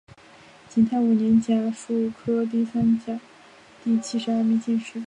景泰五年甲戌科第三甲第七十二名进士。